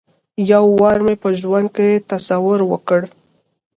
یو وار مې په ژوند کې تصور وکړ.